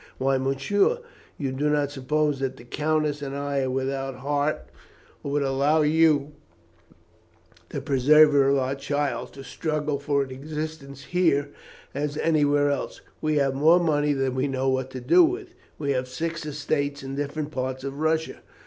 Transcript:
Why, Monsieur, you do not suppose that the countess and I are without heart, or would allow you, the preserver of our child, to struggle for an existence here or anywhere else! We have more money than we know what to do with. We have six estates in different parts of Russia.